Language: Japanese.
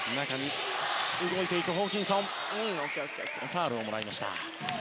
ファウルをもらいました。